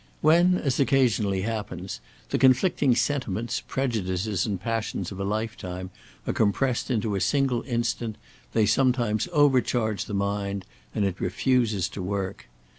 When, as occasionally happens, the conflicting sentiments, prejudices, and passions of a lifetime are compressed into a single instant, they sometimes overcharge the mind and it refuses to work.